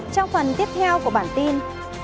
trong phần tiếp theo của bản tin